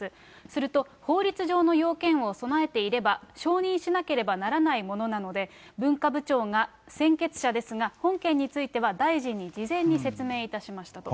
すると、法律上の要件を備えていれば、承認しなければならないものなので、文化部長が専決者ですが、本件については大臣に事前に説明いたしましたと。